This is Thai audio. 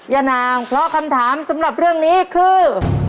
ย่านางเพราะคำถามสำหรับเรื่องนี้คือ